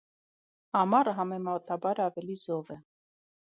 Ամառը համեմատաբար ավելի զով է։